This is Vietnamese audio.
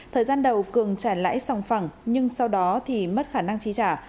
thời gian đầu cường trả lãi sòng phẳng nhưng sau đó thì mất khả năng trí trả